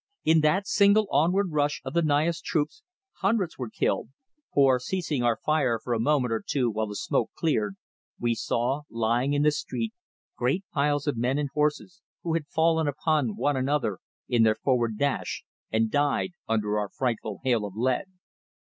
In that single onward rush of the Naya's troops hundreds were killed, for, ceasing our fire for a moment or two while the smoke cleared, we saw, lying in the street, great piles of men and horses, who had fallen upon one another in their forward dash and died under our frightful hail of lead.